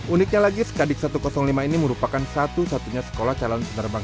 uniknya lagi skadik satu ratus lima ini merupakan satu satunya sekolah calon penerbang